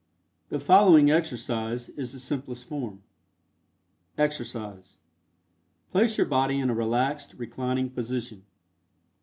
The following exercise is the simplest form. EXERCISE. Place your body in a relaxed, reclining position.